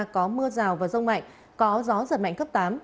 có mưa rào và rông mạnh có gió giật mạnh cấp tám